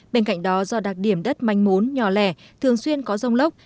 bên cạnh đó do đặc điểm đất manh mún nhỏ lẻ thường xuyên có rông lốc